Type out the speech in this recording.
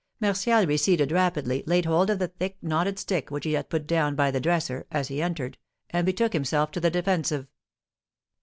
Martial receded rapidly, laid hold of the thick, knotted stick which he had put down by the dresser, as he entered, and betook himself to the defensive.